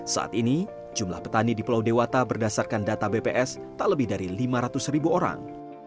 saat ini jumlah petani di pulau dewata berdasarkan data bps tak lebih dari lima ratus ribu orang